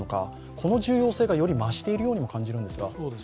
この重要性が、より増しているように感じるんですが。